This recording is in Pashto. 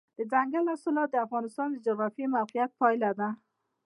دځنګل حاصلات د افغانستان د جغرافیایي موقیعت پایله ده.